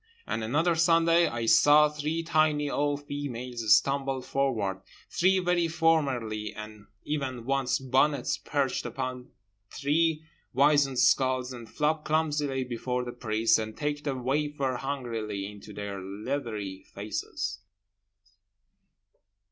And another Sunday I saw three tiny old females stumble forward, three very formerly and even once bonnets perched upon three wizened skulls, and flop clumsily before the priest, and take the wafer hungrily into their leathery faces.